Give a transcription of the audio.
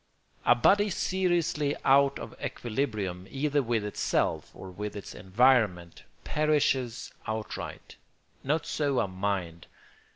A body seriously out of equilibrium, either with itself or with its environment, perishes outright. Not so a mind.